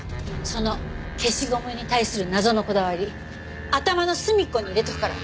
その消しゴムに対する謎のこだわり頭の隅っこに入れておくから。